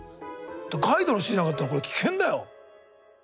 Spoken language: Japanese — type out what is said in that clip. ガイドの人いなかったらこれ危険だよ。